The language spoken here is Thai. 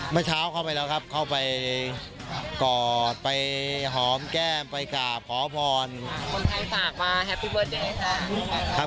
เมื่อเช้าเข้าไปแล้วครับเข้าไปกอดไปหอมแก้มไปกราบขอความผอม